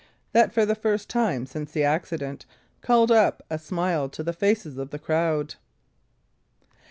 that for the first time since the accident called up a smile to the faces of the crowd.